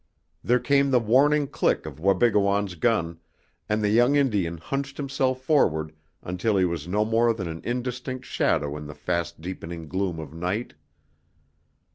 There came the warning click of Wabigoon's gun, and the young Indian hunched himself forward until he was no more than an indistinct shadow in the fast deepening gloom of night.